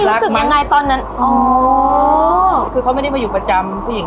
รู้สึกยังไงตอนนั้นอ๋อคือเขาไม่ได้มาอยู่ประจำผู้หญิง